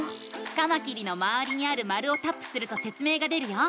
カマキリのまわりにある丸をタップするとせつ明が出るよ。